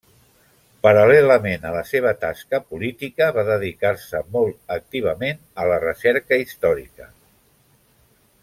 Paral·lelament a la seva tasca política va dedicar-se molt activament a la recerca històrica.